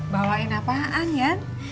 bawain apaan yan